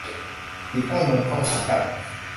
บีบเต้านมเข้าหากัน